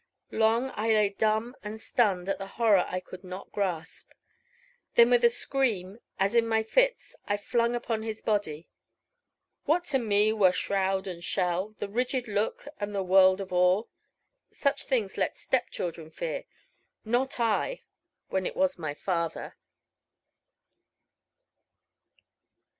Long I lay dumb and stunned at the horror I could not grasp. Then with a scream, as in my fits, I flung upon his body. What to me were shroud and shell, the rigid look and the world of awe? Such things let step children fear. Not I, when it was my father.